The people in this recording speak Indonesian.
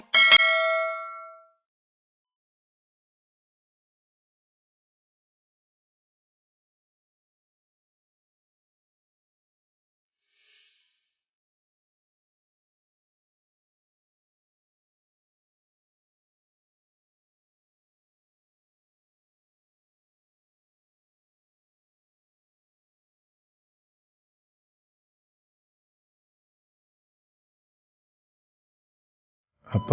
kamu harus banyak istirahat ya